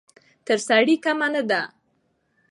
تر سړي کمه نه ده.